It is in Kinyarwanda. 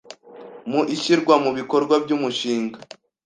mu ishyirwa mu bikorwa by’umushinga